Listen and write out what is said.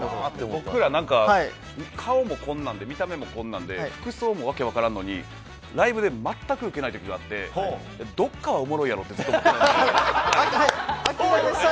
僕ら、顔もこんなんで見た目もこんなんで服装もわけ分からんのにライブで全くウケない時があってどこかはおもろいやろ？ってずっと思ってました。